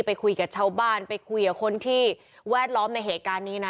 ไปคุยกับชาวบ้านไปคุยกับคนที่แวดล้อมในเหตุการณ์นี้นะ